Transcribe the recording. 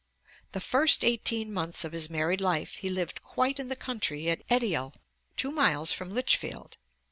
The first eighteen months of his married life he lived quite in the country at Edial, two miles from Lichfield.